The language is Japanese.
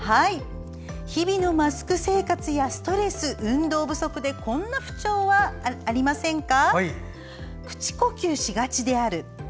日々のマスク生活やストレス、運動不足でこんな不調はありませんか？